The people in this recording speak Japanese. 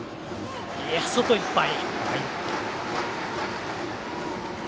外いっぱい。